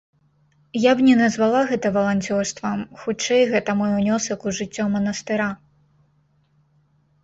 Я б не назвала гэта валанцёрствам, хутчэй, гэта мой унёсак у жыццё манастыра.